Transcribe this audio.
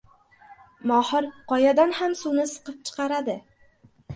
• Mohir qoyadan ham suvni siqib chiqaradi.